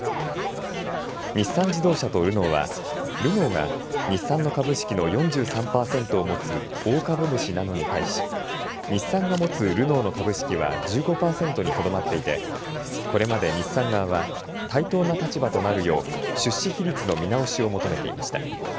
日産自動車とルノーはルノーが日産の株式の４３パーセントを持つ大株主なのに対し日産が持つルノーの株式は１５パーセントにとどまっていてこれまで日産側は対等な立場となるよう出資比率の見直しを求めていました。